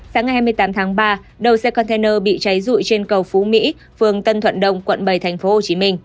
sáng ngày hai mươi tám tháng ba đầu xe container bị cháy rụi trên cầu phú mỹ phường tân thuận đông quận bảy tp hcm